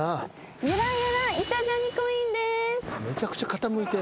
めちゃくちゃ傾いて。